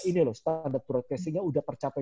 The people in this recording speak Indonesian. ini loh standar broadcasinya udah tercapai